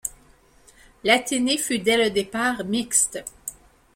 L'Athénée fut dès le départ mixte.